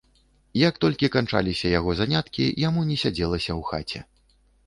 Як толькі канчаліся яго заняткі, яму не сядзелася ў хаце.